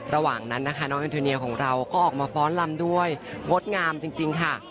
ระหว่างนั้นนะคะน้องอินโทเนียของเราก็ออกมาฟ้อนลำด้วยงดงามจริงค่ะ